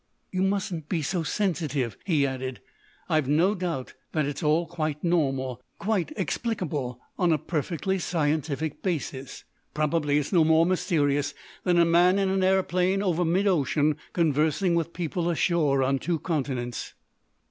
"You mustn't be so sensitive," he added. "I've no doubt that it's all quite normal—quite explicable on a perfectly scientific basis. Probably it's no more mysterious than a man in an airplane over midocean conversing with people ashore on two continents."